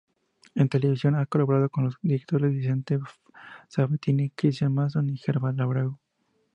En televisión ha colaborado con los directores Vicente Sabatini, Cristián Mason y Herval Abreu.